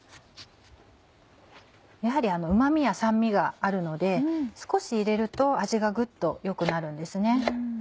やはりうま味や酸味があるので少し入れると味がぐっと良くなるんですね。